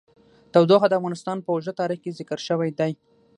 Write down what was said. تودوخه د افغانستان په اوږده تاریخ کې ذکر شوی دی.